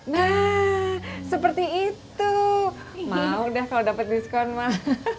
nah seperti itu mau dah kalo dapet diskon mak